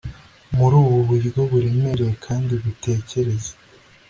Muri ubu buryo buremereye kandi butekereza